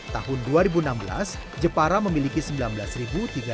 tahun dua ribu enam belas jepara memiliki sembilan belas tiga ratus